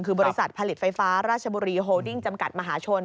คือบริษัทผลิตไฟฟ้าราชบุรีโฮดิ้งจำกัดมหาชน